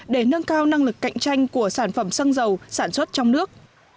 để nâng cao năng lực cạnh tranh của sản phẩm xăng dầu sản xuất trong nước